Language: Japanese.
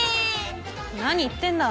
何言ってんだ。